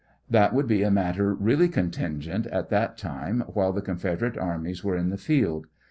That would be a matter really contingent at that time, while the Confederate armies were in the field.